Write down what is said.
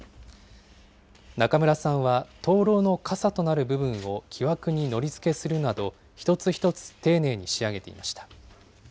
中村さんは灯籠の傘となる部分を木枠にのり付けするなど、一つ一つ丁寧に仕上げていました。